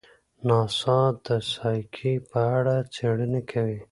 ناسا د سایکي په اړه څېړنې کوي.